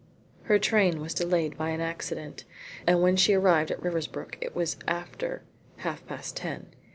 Her train was delayed by an accident, and when she arrived at Riversbrook it was after half past ten.